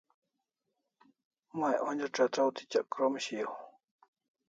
May onja chatraw tichak krom shiaw